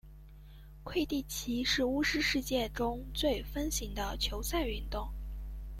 魁地奇是巫师世界中最风行的球赛运动。